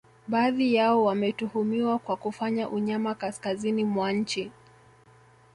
Baadhi yao wametuhumiwa kwa kufanya unyama kaskazini mwa nchi